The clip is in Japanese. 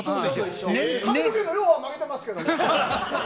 髪の毛の量は負けてますけど。